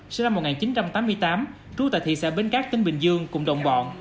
sinh năm một nghìn chín trăm tám mươi tám trú tại thị xã bến cát tỉnh bình dương cùng đồng bọn